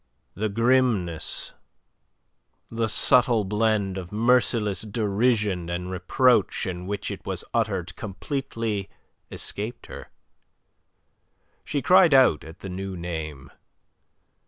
The grimness, the subtle blend of merciless derision and reproach in which it was uttered completely escaped her. She cried out at the new name.